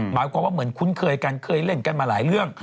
หมายความว่าเหมือนคุ้นเคยกันเคยเล่นกันมาหลายเรื่อง